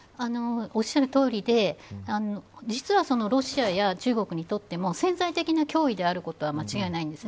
おっしゃるとおりで実はロシアや中国にとっても潜在的な脅威であることには間違いないんです。